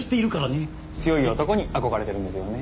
強い男に憧れてるんですよね。